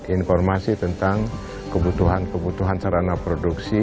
informasi tentang kebutuhan kebutuhan sarana produksi